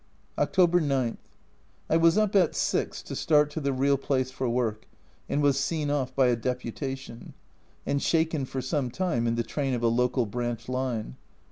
October 9. I was up at 6 to start to the real place for work and was seen off by a deputation, and shaken for some time in the train of a local branch line.